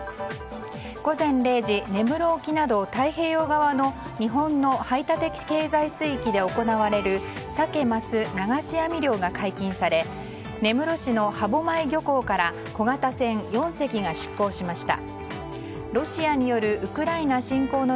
午前０時、根室沖など太平洋側の日本の排他的経済水域で行われるサケ・マス流し網漁が解禁され根室市の歯舞漁港から小型船４隻が出港しました。